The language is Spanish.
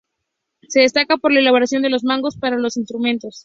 Se destaca por la elaboración de los mangos para los instrumentos.